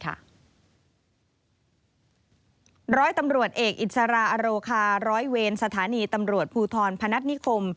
ร้อยตำรวจเอกอิสราอโรคาร้อยเวรสถานีตำรวจภูทรพนัฐนิคม